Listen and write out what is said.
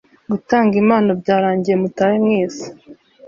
Gutanga impano byarangiye mutahe mwese